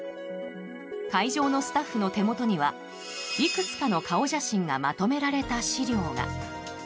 会場のスタッフの手元にはいくつかの顔写真がまとめられた資料が。